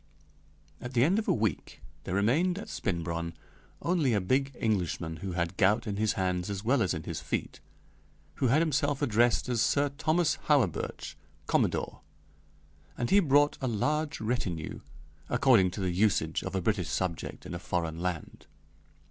At the end of a week there remained at Spinbronn only a big Englishman who had gout in his hands as well as in his feet, who had himself addressed as Sir Thomas Hawerburch, Commodore; and he brought a large retinue, according to the usage of a British subject in a foreign land.